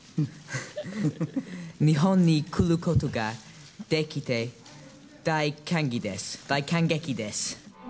日本に来ることができて、大感激です。